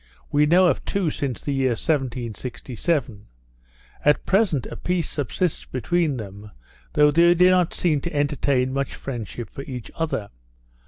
We know of two since the year 1767; at present a peace subsists between them, though they do not seem to entertain much friendship for each other.